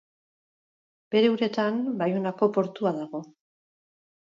Bere uretan Baionako portua dago.